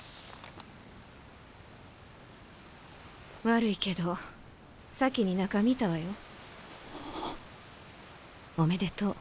悪いけど先に中見たわよ。おめでとう。